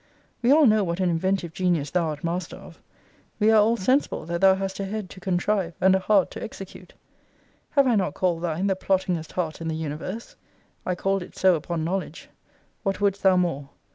We all know what an inventive genius thou art master of: we are all sensible, that thou hast a head to contrive, and a heart to execute. Have I not called thine the plotting'st heart in the universe? I called it so upon knowledge. What woulds't thou more?